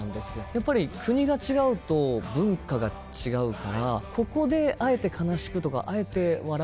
やっぱり国が違うと文化が違うからここであえて悲しくとかあえて笑